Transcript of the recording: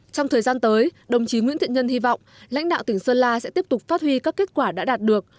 trong thời gian tới đồng chí nguyễn thiện nhân hy vọng lãnh đạo tỉnh sơn la sẽ tiếp tục phát huy các kết quả đã đạt được